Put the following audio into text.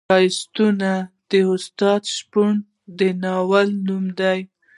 ښایستو د استاد شپون د ناول نوم دی.